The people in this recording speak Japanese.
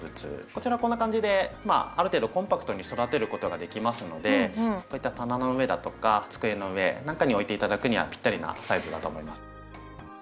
こちらこんな感じである程度コンパクトに育てることができますのでこういった棚の上だとか机の上なんかに置いて頂くにはピッタリなサイズだと思います。